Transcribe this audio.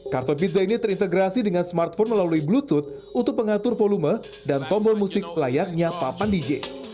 kartu pizza ini terintegrasi dengan smartphone melalui bluetooth untuk mengatur volume dan tombol musik layaknya papan dj